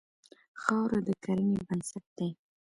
خاوره د کرنې بنسټ دی.